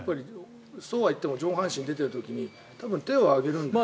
そうはいっても上半身が出ている時に多分、手を上げるのかな。